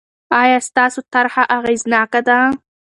آیا ستاسو طرحه اغېزناکه ده؟